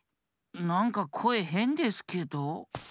なんかこえへんですけど。